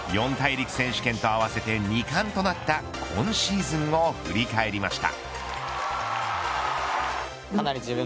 四大陸選手権と合わせて二冠となった今シーズンを振り返りました。